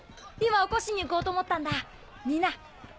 今起こしに行こうと思ったんだ見な！